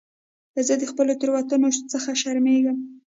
زه د خپلو تېروتنو څخه شرمېږم.